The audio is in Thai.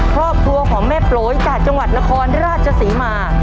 ครอบครัวของแม่โปรยจากจังหวัดนครราชศรีมา